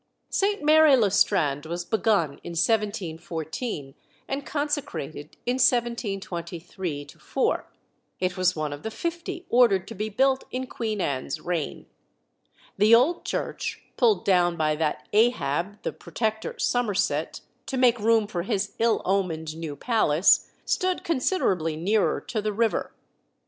Saint Mary le Strand was begun in 1714, and consecrated in 1723 4. It was one of the fifty ordered to be built in Queen Anne's reign. The old church, pulled down by that Ahab, the Protector Somerset, to make room for his ill omened new palace, stood considerably nearer to the river.